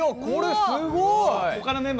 これすごいな！